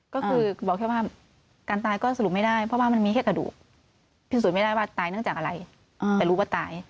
ก็คือบอกแค่ว่าการตายก็สรุปไม่ได้เพราะว่ามันมีแค่กระดูกพิสูจน์ไม่ได้ว่าตายเนื่องจากอะไรแต่รู้ว่าตาย